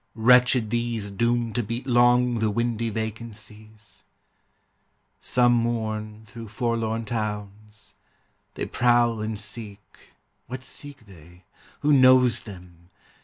Wretched these Doomed to beat long the windy vacancies ! Some mourn through forlorn towns. They prowl and seek ŌĆö What seek they? Who knows them?